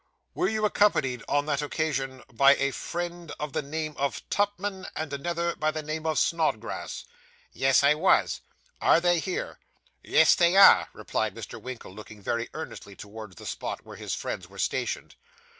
'Were you accompanied on that occasion by a friend of the name of Tupman, and another by the name of Snodgrass?' 'Yes, I was.' 'Are they here?' Yes, they are,' replied Mr. Winkle, looking very earnestly towards the spot where his friends were stationed.